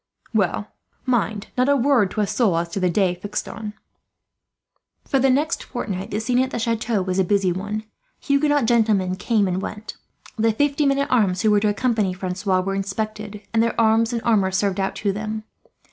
"Well, mind, not a word to a soul as to the day fixed on." For the next fortnight the scene at the chateau was a busy one. Huguenot gentlemen came and went. The fifty men at arms who were to accompany Francois were inspected, and their arms and armour served out to them.